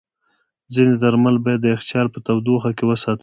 ځینې درمل باید د یخچال په تودوخه کې وساتل شي.